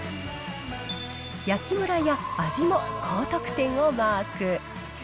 焼きむらや味も高得点をマーク。